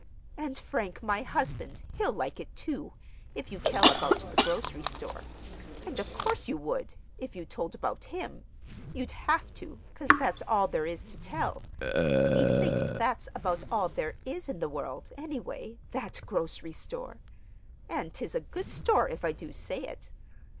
And Frank, my husband, he'll like it, too,—if you tell about the grocery store. And of course you would, if you told about him. You'd have to—'cause that's all there is to tell. He thinks that's about all there is in the world, anyway,—that grocery store. And 'tis a good store, if I do say it.